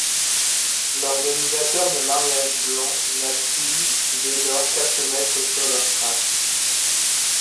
L'organisateur des mariages blancs n'a plus dès lors qu'à se mettre sur leurs traces...